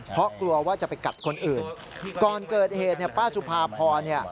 เพราะกลัวว่าจะไปกัดคนอื่นก่อนเกิดเหตุเนี่ยป้าสุภาพรเนี่ย